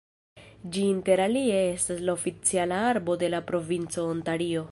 Ĝi interalie estas la oficiala arbo de la provinco Ontario.